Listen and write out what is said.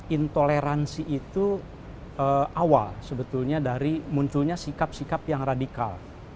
intoleransi itu awal sebetulnya dari munculnya sikap sikap yang radikal